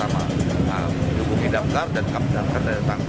nah dihubungi daftar dan kapal daftar datang